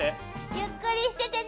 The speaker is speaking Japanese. ゆっくりしててね。